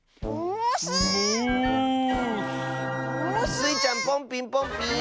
スイちゃんポンピンポンピーン！